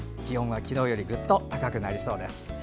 昨日よりぐっと高くなりそうです。